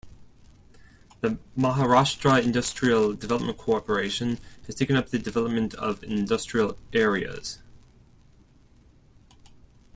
The Maharashtra Industrial Development Corporation has taken up the development of industrial areas.